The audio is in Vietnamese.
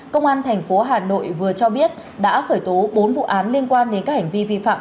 công an tp hà nội vừa cho biết đã khởi tố bốn vụ án liên quan đến các hành vi vi phạm